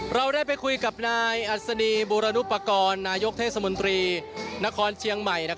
เราได้ไปคุยกับนายอัศนีบูรณุปกรณ์นายกเทศมนตรีนครเชียงใหม่